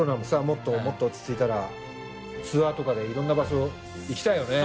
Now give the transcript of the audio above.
もっともっと落ち着いたらツアーとかでいろんな場所行きたいよね。